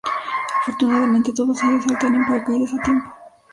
Afortunadamente, todos ellos saltan en paracaídas a tiempo.